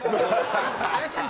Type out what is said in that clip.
阿部さん